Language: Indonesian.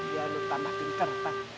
jangan lupa mak pinter